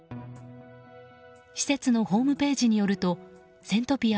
施設のホームページによるとセントピア